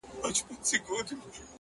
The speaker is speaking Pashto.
• فرشتې سوې په لعنت ویلو ستړي,